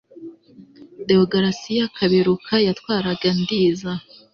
deogratias kaberuka yatwaraga ndiza